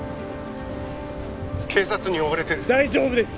警察に追われてる大丈夫です